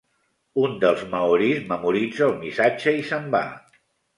Un dels maoris memoritza el missatge i se'n va.